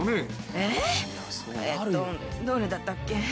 えっとどれだったっけ？